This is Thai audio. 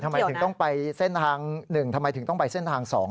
ทำไมถึงต้องไปเส้นทาง๑ทำไมถึงต้องไปเส้นทาง๒